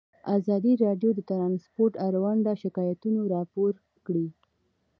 ازادي راډیو د ترانسپورټ اړوند شکایتونه راپور کړي.